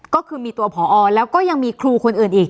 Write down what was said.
ก็คือมีตัวผอแล้วก็ยังมีครูคนอื่นอีก